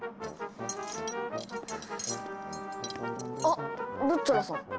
あルッチョラさん。